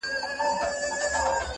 یاره بس چي له مقامه را سوه سم,